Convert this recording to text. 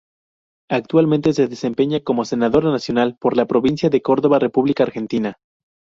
Actualmente se desempeña como senadora Nacional por la Provincia de Córdoba, República Argentina.